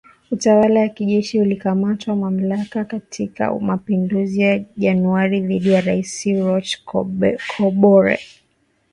Utawala wa kijeshi ulikamata mamlaka katika mapinduzi ya Januari dhidi ya Rais Roch Kabore